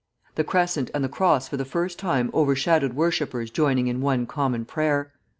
The Crescent and the Cross for the first time overshadowed worshippers joining in one common prayer.